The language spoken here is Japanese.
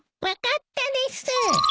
分かったです。